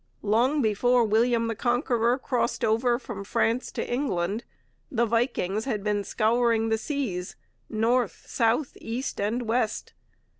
Long before William the Conqueror crossed over from France to England the Vikings had been scouring the seas, north, south, east, and west.